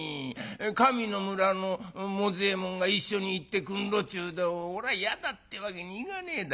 上の村のもざえもんが一緒に行ってくんろちゅうでおらやだってわけにいかねえだ。